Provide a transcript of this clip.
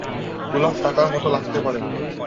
দু লাখ টাকার মতো লাগতে পারে।